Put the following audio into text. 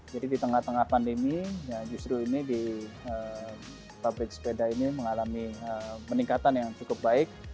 jadi di tengah tengah pandemi justru ini di pabrik sepeda ini mengalami peningkatan yang cukup baik